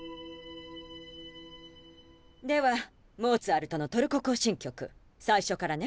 ではモーツァルトの「トルコ行進曲」最初からね。